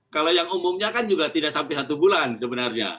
kalau yang umumnya kan juga tidak sampai satu bulan sebenarnya